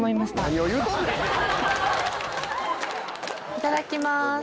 いただきます。